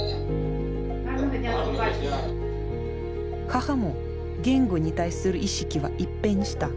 母も言語に対する意識は一変した。